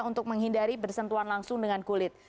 untuk menghindari bersentuhan langsung dengan kulit